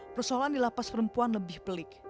persoalan di lapas perempuan lebih pelik